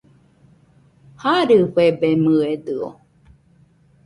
Jarɨfebemɨedɨo